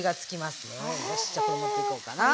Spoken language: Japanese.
よしじゃあこれ持っていこうかな。